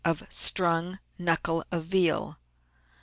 of strung knuckle of veal.